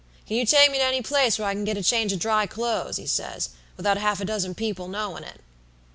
"'Can you take me to any place where I can get a change of dry clothes,' he says, 'without half a dozen people knowin' it?'